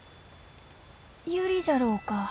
ユリじゃろうか？